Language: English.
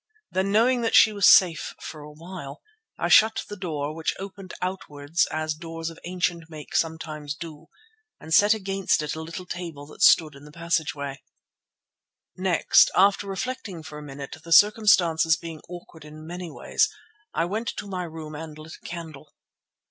Then knowing that she was safe for a while, I shut the door, which opened outwards as doors of ancient make sometimes do, and set against it a little table that stood in the passage. Next, after reflecting for a minute, the circumstances being awkward in many ways, I went to my room and lit a candle.